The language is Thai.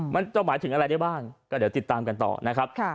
มันจะหมายถึงอะไรได้บ้างก็เดี๋ยวติดตามกันต่อนะครับ